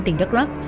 tỉnh đất lóc